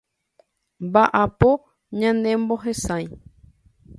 Mba'apo ñanemohesãi.